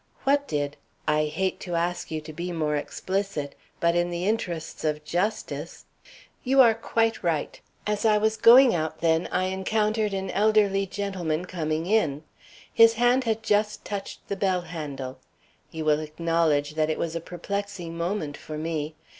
"What did? I hate to ask you to be more explicit. But, in the interests of justice " "You are quite right. As I was going out, then, I encountered an elderly gentleman coming in. His hand had just touched the bell handle. You will acknowledge that it was a perplexing moment for me.